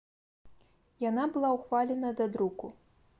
Яна была ўхвалена да друку.